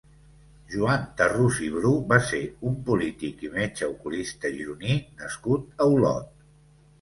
Joan Tarrús i Bru va ser un polític i metge oculista gironí nascut a Olot.